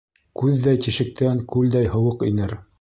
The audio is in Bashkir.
Күҙҙәй тишектән күлдәй һыуыҡ инер.